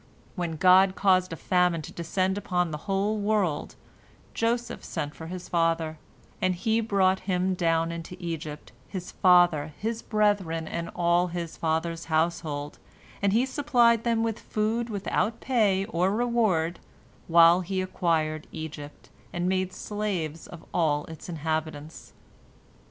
When God caused a famine to descend upon the whole world, Joseph sent for his father, and he brought him down into Egypt his father, his brethren, and all his father's household, and he supplied them with food without pay or reward, while he acquired Egypt, and made slaves of all its inhabitants.